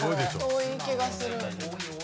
多い気がする。